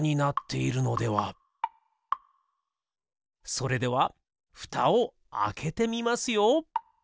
それではふたをあけてみますよ。